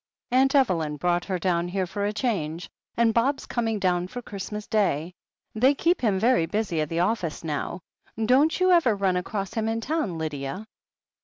Atmt Evelyn brought her down here for a change, and Bob's coming down for Christmas Day. They keep him very busy at the office now. Don't you ever run across him in town, Lydia?"